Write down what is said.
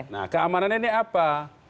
nah keamanan ini apa